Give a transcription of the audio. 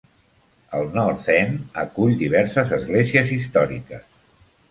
El North End acull diverses esglésies històriques.